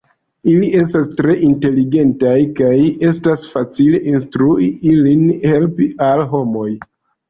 Ili estas tre inteligentaj, kaj estas facile instrui ilin helpi al homoj.